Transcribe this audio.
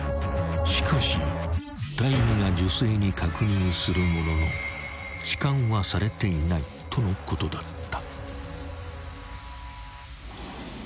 ［しかし隊員が女性に確認するものの「痴漢はされていない」とのことだった］